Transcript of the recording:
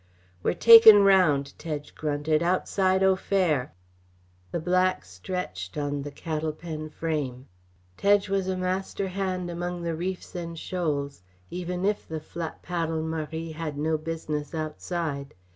"We're takin' round," Tedge grunted, "outside Au Fer!" The black stretched on the cattle pen frame. Tedge was a master hand among the reefs and shoals, even if the flappaddle Marie had no business outside.